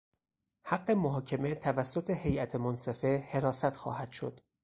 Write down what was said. حق محاکمه توسط هیئت منصفه حراست خواهد شد.